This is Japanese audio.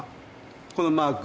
このマーク。